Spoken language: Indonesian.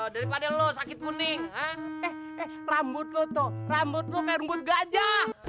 dari pada lo sakit kuning rambut lo tuh rambut lo rambut gajah